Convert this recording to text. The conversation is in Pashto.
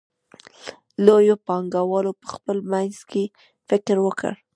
لویو پانګوالو په خپل منځ کې فکر وکړ